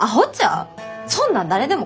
そんなん誰でも断るわ！